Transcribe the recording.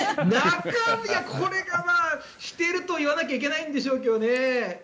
なかなかこれがしていると言わなきゃいけないんでしょうけどね。